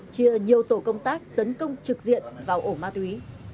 chia nhiều tổ công tác tấn công trực diện vào ổ ma túy